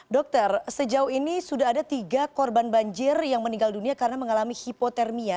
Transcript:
dokter sejauh ini sudah ada tiga korban banjir yang meninggal dunia karena mengalami hipotermia